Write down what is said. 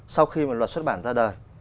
sau khi mà luật xuất bản ra đời